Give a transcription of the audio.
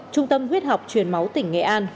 trung tâm huyết học truyền máu tỉnh nghệ an